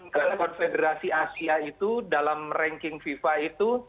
karena konfederasi asia itu dalam ranking fifa itu